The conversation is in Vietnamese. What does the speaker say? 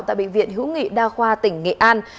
tại bệnh viện hữu nghị đa khoa tỉnh nghệ an